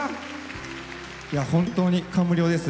本当に感無量です。